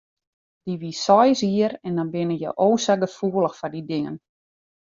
Dy wie seis jier en dan binne je o sa gefoelich foar dy dingen.